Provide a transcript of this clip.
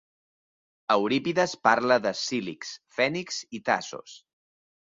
Eurípides parla de Cílix, Fènix i Tasos.